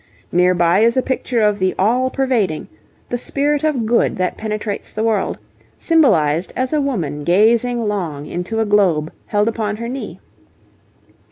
Near by is a picture of the 'All pervading,' the spirit of good that penetrates the world, symbolized as a woman gazing long into a globe held upon her knee.